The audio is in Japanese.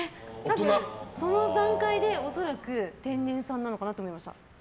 その段階で恐らく天然さんなのかなと思いました。